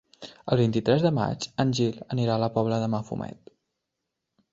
El vint-i-tres de maig en Gil anirà a la Pobla de Mafumet.